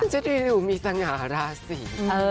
ฉันจะดูมีสง่าราศี